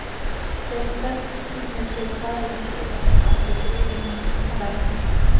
Cette statistique ne fait pas de différence entre prévenus et condamnés.